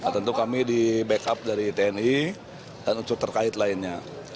tentu kami di backup dari tni dan untuk terkait lainnya